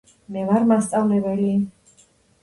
მე ვარ მასწავლებელი.